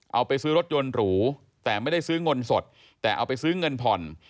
เอาไปซื้อรถยนต์หรูแต่ไม่ได้ซื้อเงินสดแต่เอาไปซื้อเงินผ่อน